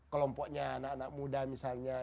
kelompoknya anak anak muda misalnya